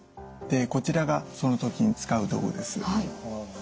こちらがその時に使う道具です。